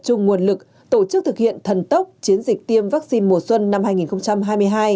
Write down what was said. chung nguồn lực tổ chức thực hiện thần tốc chiến dịch tiêm vaccine mùa xuân năm hai nghìn hai mươi hai